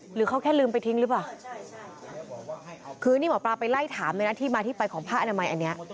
หรือเขาแค่ลืมไปทิ้งหรือเปล่าคือนี่หมอปลาไปไล่ถามเลยนะที่มาที่ไปของผ้าอนามัยอันเนี้ย